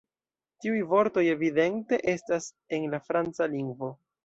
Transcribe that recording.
Tiuj vortoj evidente estas en la franca lingvo.